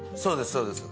そうです